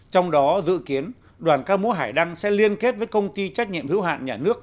trong đó dự kiến đoàn ca múa hải đăng sẽ liên kết với công ty trách nhiệm hữu hạn nhà nước